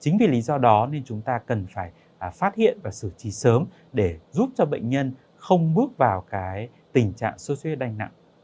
chính vì lý do đó nên chúng ta cần phải phát hiện và xử trí sớm để giúp cho bệnh nhân không bước vào tình trạng sốt huyết đanh nặng